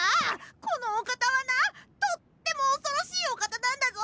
このおかたはなとってもおそろしいおかたなんだぞ！